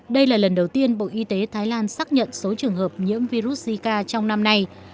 đây là lần đầu tiên bộ y tế thái lan xác nhận số trường hợp nhiễm virus zika trong năm nay